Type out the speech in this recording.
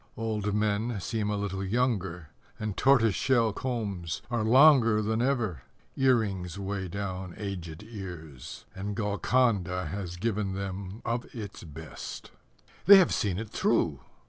Old men seem a little younger, And tortoise shell combs Are longer than ever; Earrings weigh down aged ears; And Golconda has given them of its best. They have seen it through!